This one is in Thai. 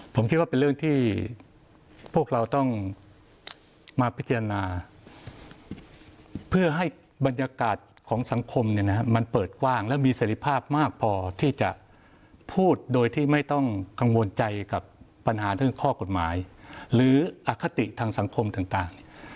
ผมคิดว่าเป็นเรื่องที่พวกเราต้องมาพิจารณาเพื่อให้บรรยากาศของสังคมมันเปิดกว้างและมีเสร็จภาพมากพอที่จะพูดโดยที่ไม่ต้องกังวลใจกับปัญหาเรื่องข้อกฎหมายหรืออคติทางสังคมต่าง